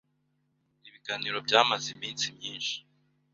Ibiganiro byamaze iminsi myinshi.